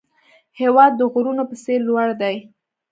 هېواد د غرونو په څېر لوړ دی.